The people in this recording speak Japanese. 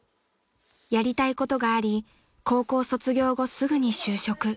［やりたいことがあり高校卒業後すぐに就職］